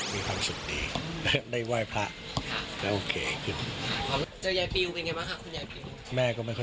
ไปฟังทั้งหมดเลยค่ะ